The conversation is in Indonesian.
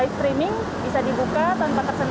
livestreaming bisa dibuka tanpa tersendat